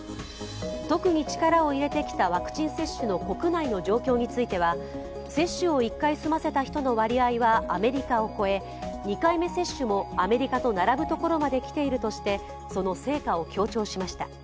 特に力を入れてきたワクチン接種の国内の状況については接種を１回済ませた人の割合はアメリカを超え、２回目接種もアメリカと並ぶところまで来ていると述べその成果を強調しました。